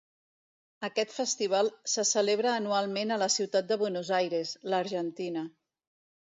Aquest festival se celebra anualment a la ciutat de Buenos Aires, l'Argentina.